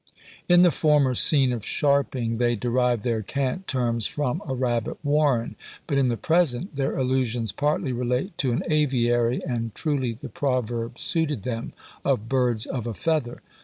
In the former scene of sharping they derived their cant terms from a rabbit warren, but in the present their allusions partly relate to an aviary, and truly the proverb suited them, "of birds of a feather."